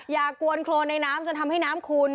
อย่ากวนโครนในน้ำจนทำให้น้ำขุ่น